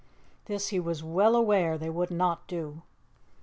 This he was well aware they would not do.